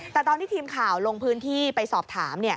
แต่ตอนที่ทีมข่าวลงพื้นที่ไปสอบถาม